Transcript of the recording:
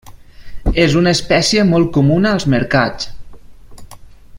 És una espècie molt comuna als mercats.